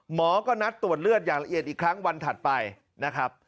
หมอก็นัดตรวจเลือดอย่างละเอียดอีกครั้งวันถัดไปนะครับ